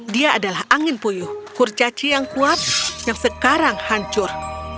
dia adalah angin puyuh kurcaci yang kuat yang sekarang hancur